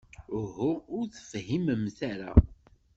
Uhu, ur tefhimemt ara.